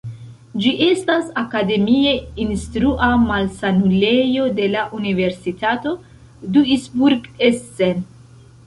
Ĝi estas akademie instrua malsanulejo de la Universitato Duisburg-Essen.